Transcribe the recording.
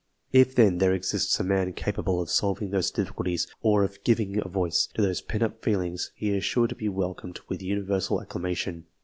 If, then, there exists a man capable of solving those difficulties, or of giving a voice to those pent up feelings, he is sure to be welcomed with universal accla ition.